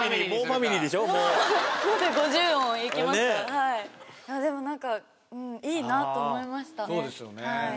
はいでも何かいいなと思いましたそうですよね